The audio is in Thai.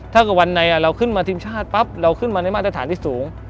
ถ้าเกิดวันไหนเราขึ้นมาทีมชาติปั๊บเราขึ้นมาในมาตรฐานที่สูง